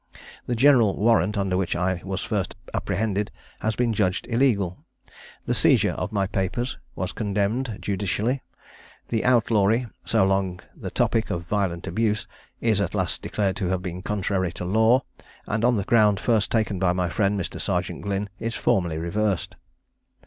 "The general warrant under which I was first apprehended has been adjudged illegal. The seizure of my papers was condemned judicially [Illustration: Wilkes' Riots.] The outlawry, so long the topic of violent abuse, is at last declared to have been contrary to law; and on the ground first taken by my friend, Mr. Serjeant Glynn, is formally reversed."